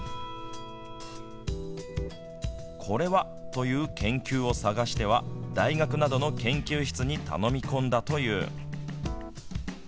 これは、という研究を探しては大学などの研究室に頼み込んだという。